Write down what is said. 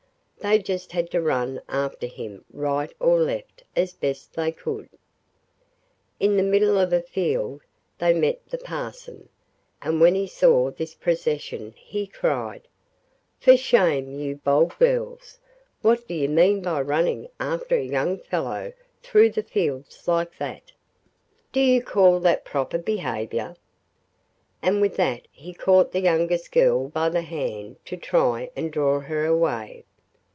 They just had to run after him right or left as best they could. In the middle of a field they met the parson, and when he saw this procession he cried: 'For shame, you bold girls! What do you mean by running after a young fellow through the fields like that? Do you call that proper behaviour?' And with that he caught the youngest girl by the hand to try and draw her away.